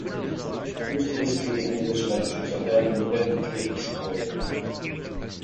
Most history and English lectures are held in Bibb Graves Hall.